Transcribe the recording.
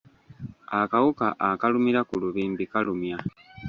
Akawuka akalumira ku lubimbi kalumya.